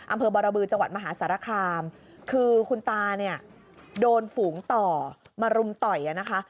อำเภอบรบือจังหวัดมหาสารคามคือคุณตาเนี่ยโดนฝูงต่อมารุมต่อยอ่ะนะคะ